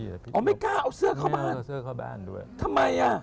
อ๋อไม่กล้าเอาเสื้อเข้าบ้านทำไมอ่ะไม่กล้าเอาเสื้อเข้าบ้านด้วย